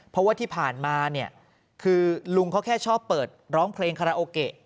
เพราะว่าที่ผ่านมาเนี่ยคือลุงเขาแค่ชอบเปิดร้องเพลงคาราโอเกะ